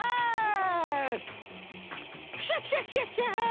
クシャシャシャシャ！